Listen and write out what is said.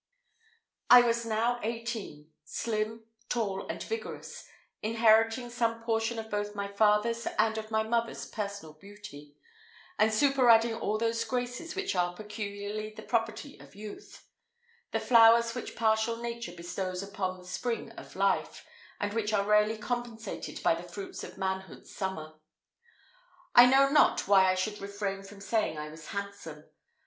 I was now eighteen; slim, tall, and vigorous, inheriting some portion both of my father's and of my mother's personal beauty, and superadding all those graces which are peculiarly the property of youth; the flowers which partial nature bestows upon the spring of life, and which are rarely compensated by the fruits of manhood's summer. I know not why I should refrain from saying I was handsome.